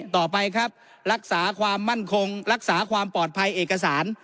ต่อไปครับรักษาความมั่นคงรักษาความปลอดภัยเอกสาร